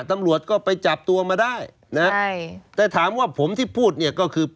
ตำรวจก็ไปจับตัวมาได้นะใช่แต่ถามว่าผมที่พูดเนี่ยก็คือ